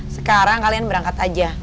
sekarang kalian berangkat aja